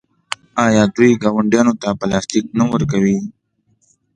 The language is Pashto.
آیا دوی ګاونډیانو ته پلاستیک نه ورکوي؟